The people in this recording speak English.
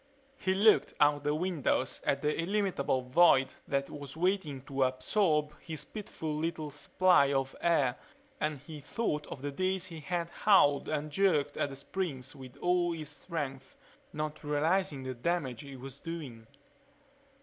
He looked out the windows at the illimitable void that was waiting to absorb his pitiful little supply of air and he thought of the days he had hauled and jerked at the springs with all his strength, not realizing the damage he was doing.